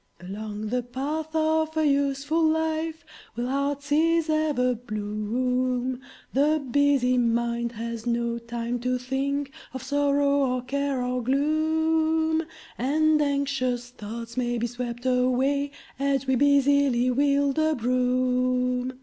Along the path of a useful life Will heart's ease ever bloom; The busy mind has no time to think Of sorrow, or care, or gloom; And anxious thoughts may be swept away As we busily wield a broom.